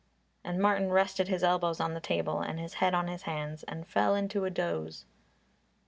And Martin rested his elbows on the table and his head on his hands and fell into a doze.